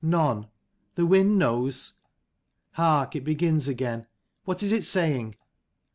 None. The wind knows. Hark, it begins again. What is it saying